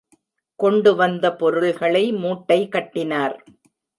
கொண்டுவந்த பொருள்களை மூட்டை கட்டினார்.